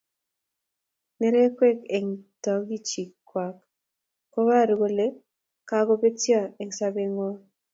Nerekwe eng togochik kwak kovoru kole kakobetyo eng sobee ngwang